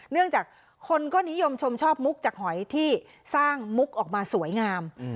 เนื่องจากคนก็นิยมชมชอบมุกจากหอยที่สร้างมุกออกมาสวยงาม